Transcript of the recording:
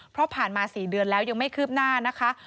เพราะผ่านมา๔เดือนแล้วยังไม่คืบหน้านะคะ